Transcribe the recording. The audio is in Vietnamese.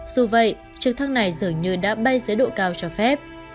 dù vậy trực thăng này dường như đã bay dưới độ cao cho phép